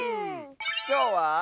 きょうは。